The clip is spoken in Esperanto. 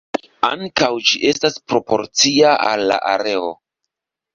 Ankaŭ ĝi estas proporcia al la areo.